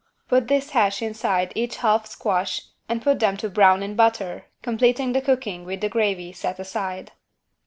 Put this hash inside each half squash and put them to brown in butter, completing the cooking with the gravy set aside.